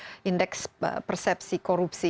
sekarang ada indeks persepsi korupsi